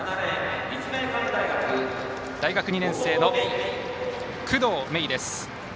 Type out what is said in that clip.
大学２年生の工藤芽衣です。